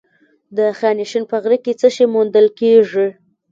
د خانشین په غره کې څه شی موندل کیږي؟